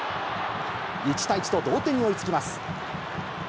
１対１と同点に追いつきます。